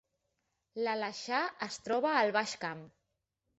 L’Aleixar es troba al Baix Camp